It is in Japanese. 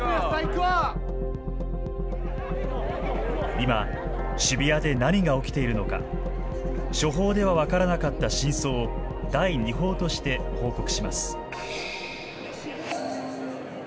今、渋谷で何が起きているのか初報では分からなかった真相を第二報として報告します。